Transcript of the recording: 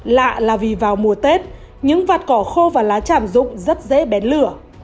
lạ là vì vào mùa tết những vạt cỏ khô và lá tràm rụng rất dễ bén lửa